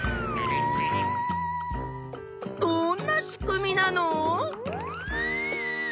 どんな仕組みなの？